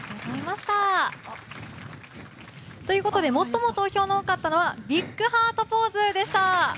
ということで最も投票が多かったのはビッグハートポーズでした。